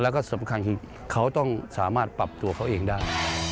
แล้วก็สำคัญคือเขาต้องสามารถปรับตัวเขาเองได้